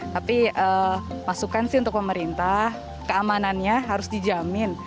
tapi masukan sih untuk pemerintah keamanannya harus dijamin